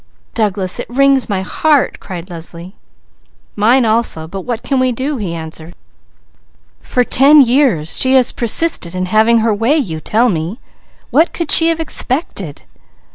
"Douglas, it wrings my heart!" cried Leslie. "Mine also, but what can we do?" he answered. "For ten years, she has persisted in having her way, you tell me; what could she have expected?"